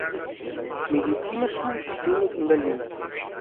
Medizinischen Klinik in Berlin.